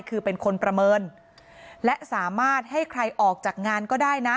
คือเป็นคนประเมินและสามารถให้ใครออกจากงานก็ได้นะ